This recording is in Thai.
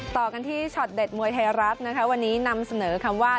ต่อกันที่ช็อตเด็ดมวยไทยรัฐนะคะวันนี้นำเสนอคำว่า